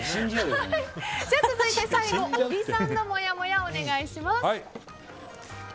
続いて最後、小木さんのもやもやお願いします。